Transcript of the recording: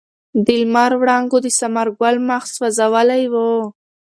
د لمر وړانګو د ثمر ګل مخ سوځولی و.